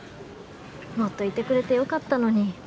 もっといてくれてよかったのに。